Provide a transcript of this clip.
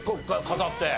飾って。